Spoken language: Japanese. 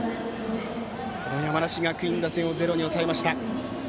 山梨学院打線をゼロに抑えました。